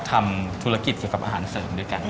ทำธุรกิจเกี่ยวกับอาหารเสริมด้วยกัน